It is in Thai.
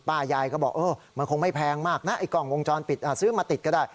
ยายก็บอกเออมันคงไม่แพงมากนะไอ้กล้องวงจรปิดซื้อมาติดก็ได้